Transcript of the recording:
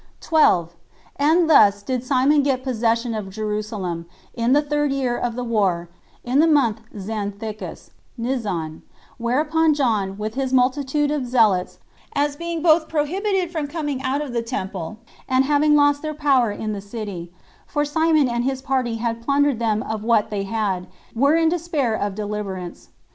12. And thus did Simon get possession of Jerusalem, in the third year of the war, in the month Xanthicus [Nisan]; whereupon John, with his multitude of zealots, as being both prohibited from coming out of the temple, and having lost their power in the city, [for Simon and his party had plundered them of what they had,] were in despair of deliverance.